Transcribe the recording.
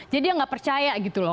jadi dia tidak percaya gitu loh